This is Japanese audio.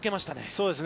そうですね。